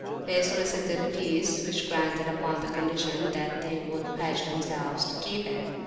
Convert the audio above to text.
They solicited peace, which we granted upon the condition that they would pledge themselves to keep it.